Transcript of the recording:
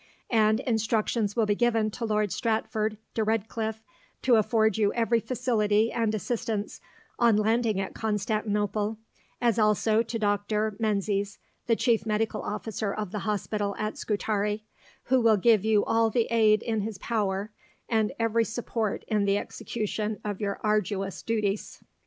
And instructions will be given to Lord Stratford de Redcliffe to afford you every facility and assistance on landing at Constantinople, as also to Dr. Menzies, the Chief Medical Officer of the Hospital at Scutari, who will give you all the aid in his power and every support in the execution of your arduous duties.